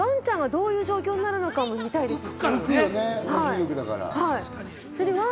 宇宙で戯れたらワンちゃんがどういう状況になるのかも見たいですし。